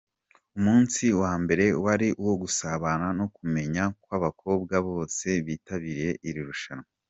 Umunsi wa mbere wari uwo gusabana no kumenyana kw'abakobwa bose bitabiriye iri rushanwa.